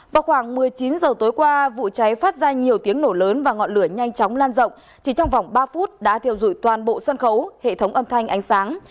vào khoảng một mươi chín h tối qua vụ cháy phát ra nhiều tiếng nổ lớn và ngọn lửa nhanh chóng lan rộng chỉ trong vòng ba phút đã thiêu dụi toàn bộ sân khấu hệ thống âm thanh ánh sáng